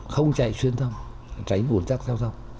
không chạy xuyên xong tránh buồn chắc theo xong